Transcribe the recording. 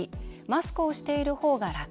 マスクをしているほうが楽。